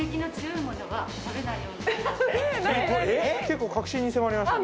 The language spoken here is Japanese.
結構核心に迫りましたね